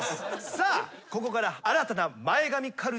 さあここから。